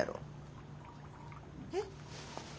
えっ？